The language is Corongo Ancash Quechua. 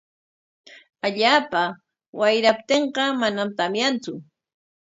Allaapa wayraptinqa manam tamyantsu.